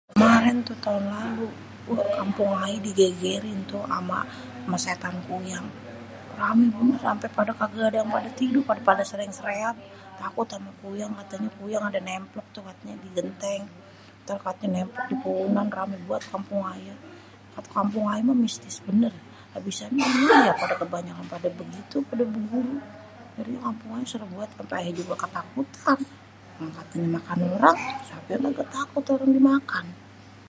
Kemarin tu taun lalu, wah kampung ayé digegerin tu ama setan kuyang, ramé bener ampé pada kagak ada yang pada tidur pada saling tereak takut ama kuyang katanya kuyang pada nemplok tu katanya di genteng. Ntar katanya nemplok di pu'unan, rame banget kampung aye. Kampung aye mah mistis bener abis gimana ya kebanyakan pada begitu pada berguru jadi kampung ayé serem banget ampe aye juga ketakutan. Orang katanya makan orang, siapa yang kagak takut orang dimakan.